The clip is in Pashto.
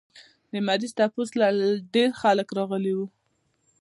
د مريض تپوس له ډېر خلق راغلي وو